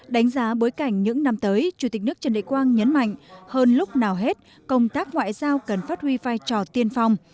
đánh giá bối cảnh những năm tới chủ tịch nước trần đại quang nhấn mạnh hơn lúc nào hết công tác ngoại giao cần phát huy vai trò tiên phong